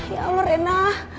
ya allah rena